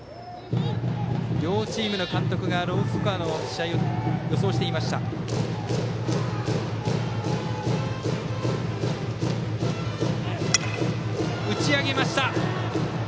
両チームの監督がロースコアの試合を予想していました。